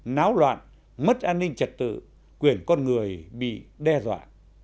náo loạn mất an ninh trật tự quyền con người bị đe dọa